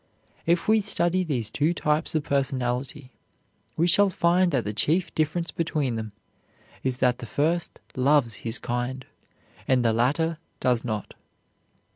If we study these two types of personality, we shall find that the chief difference between them is that the first loves his kind, and the latter does not.